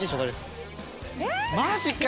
マジか！